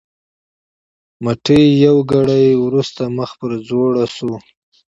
مټې یوه ګړۍ وروسته مخ پر ځوړو شو.